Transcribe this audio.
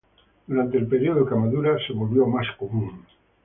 Durante el período Kamakura se volvió más común.